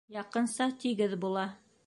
Яҡынса тигеҙ була